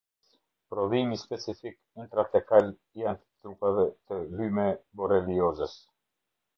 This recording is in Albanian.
Prodhimi specifik intratekal i antitrupave të Lyme borreliozës.